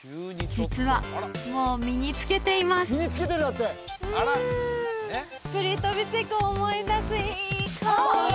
実はもう身につけていますうん！